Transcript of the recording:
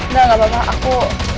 udah gak apa apa aku